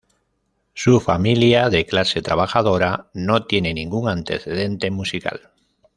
Su familia de clase trabajadora no tiene ningún antecedente musical.